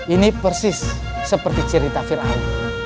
ini persis seperti cerita viral